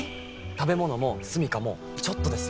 食べ物もすみかもちょっとで済みます。